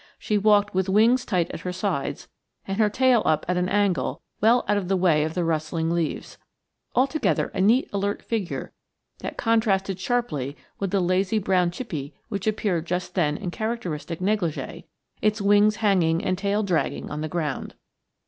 She walked with wings tight at her sides and her tail up at an angle well out of the way of the rustling leaves; altogether a neat alert figure that contrasted sharply with the lazy brown chippie which appeared just then in characteristic negligée, its wings hanging and tail dragging on the ground.